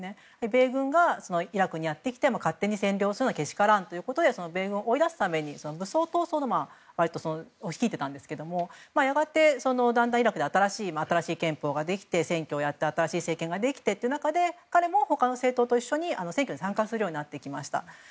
米軍がイラクにやってきて勝手に占領するのはけしからんということで米軍を追い出すために武装闘争を率いていたんですがやがて、だんだんイラクで新しい憲法ができて選挙をやって新しい政権ができてという中で彼も、他の政党と一緒に選挙に参加するようになりました。